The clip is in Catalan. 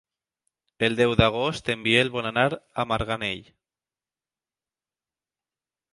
El deu d'agost en Biel vol anar a Marganell.